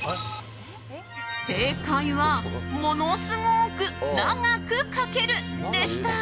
正解はものすごく長く書けるでした。